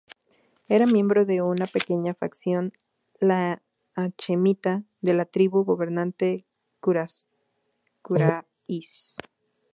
Era miembro de una pequeña facción, la hachemita, de la tribu gobernante Quraysh.